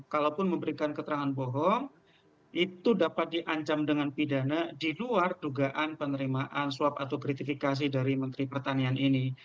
kalaupun memberikan keterangan bohong itu dapat diancam dengan pidana di luar dugaan penerimaan suap atau gratifikasi dari menteri pertanian ini